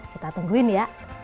kita tungguin ya